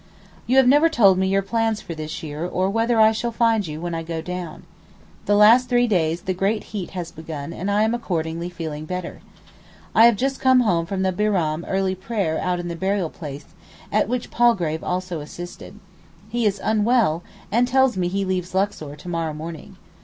You have never told me your plans for this year or whether I shall find you when I go down. The last three days the great heat has begun and I am accordingly feeling better. I have just come home from the Bairam early prayer out in the burial place, at which Palgrave also assisted. He is unwell, and tells me he leaves Luxor to morrow morning.